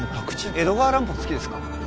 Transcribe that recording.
江戸川乱歩好きですか？